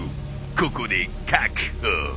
ここで確保。